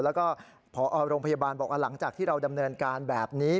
แล้วก็พอโรงพยาบาลบอกว่าหลังจากที่เราดำเนินการแบบนี้